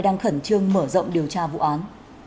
đang khẩn trương mở rộng điều tra vụ án